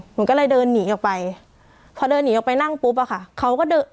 หนูก็เลยเดินหนีออกไปพอเดินหนีออกไปนั่งปุ๊บอะค่ะเขาก็เดิน